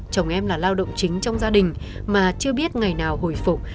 chồng em là lao động chính trong gia đình mà chưa biết ngày nào hồi phục